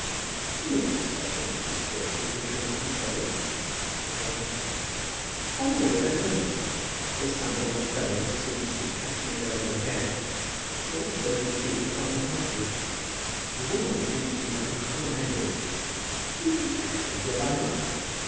"You know the subject, the story that is intended to be told?" said Dalrymple. "Upon my word I don't. There's some old fellow seems to be catching it over the head; but it's all so confused I can't make much of it. The woman seems to be uncommon angry." "Do you ever read your Bible?"